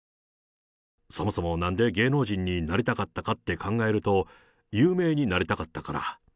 そもそもなんで芸能人になりたかったかって考えると、有名になりたかったから。